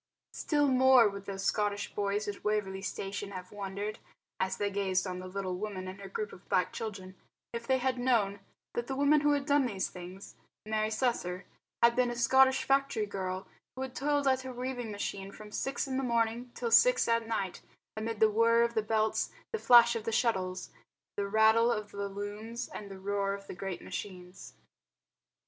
Still more would those Scottish boys at Waverley Station have wondered, as they gazed on the little woman and her group of black children, if they had known that the woman who had done these things, Mary Slessor, had been a Scottish factory girl, who had toiled at her weaving machine from six in the morning till six at night amid the whirr of the belts, the flash of the shuttles, the rattle of the looms, and the roar of the great machines.